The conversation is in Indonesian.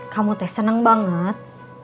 kamu teh seneng banget